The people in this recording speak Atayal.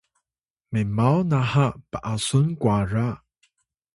memaw naha p’asun kwara